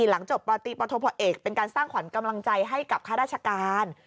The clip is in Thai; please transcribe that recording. หลังจบพเอกเป็นการสร้างขวัญกำลังใจให้กับข้าราชการ